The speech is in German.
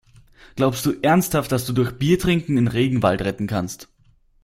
Glaubst du ernsthaft, dass du durch Biertrinken den Regenwald retten kannst?